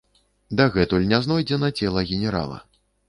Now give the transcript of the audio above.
Дагэтуль не знойдзена цела генерала.